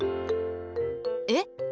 えっ！